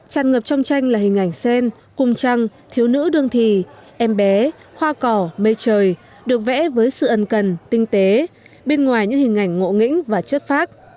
tràn ngập trong tranh là hình ảnh sen cung trăng thiếu nữ đương thì em bé hoa cỏ mây trời được vẽ với sự ân cần tinh tế bên ngoài những hình ảnh ngộ nghĩnh và chất phác